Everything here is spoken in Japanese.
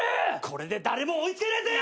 これで誰も追い付けねえぜ！